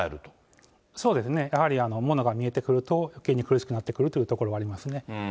やはりものが見えてくると、よけいに苦しくなってくるということはありますね。